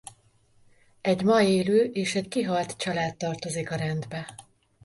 Egy ma élő és egy kihalt család tartozik a rendbe.